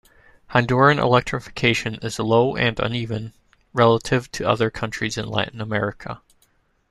Honduran electrification is low and uneven relative to other countries in Latin America.